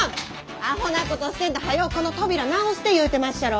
アホなことしてんとはようこの扉直して言うてまっしゃろ！